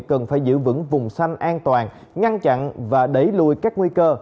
cần phải giữ vững vùng xanh an toàn ngăn chặn và đẩy lùi các nguy cơ